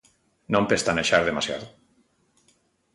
Non pestanexar demasiado.